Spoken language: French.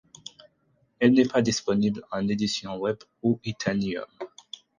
Elle n'est pas disponible en édition Web ou Itanium.